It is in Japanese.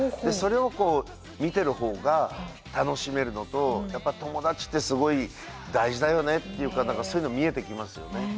それを見てる方が楽しめるのとやっぱ友達ってすごい大事だよねっていうか何かそういうの見えてきますよね。